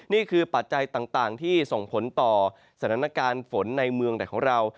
ปัจจัยต่างที่ส่งผลต่อสถานการณ์ฝนในเมืองแต่ของเรา